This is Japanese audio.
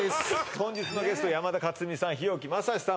本日のゲスト山田勝己さん日置将士さん